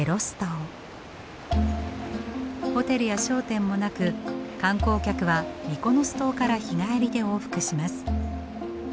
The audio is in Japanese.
ホテルや商店もなく観光客はミコノス島から日帰りで往復します。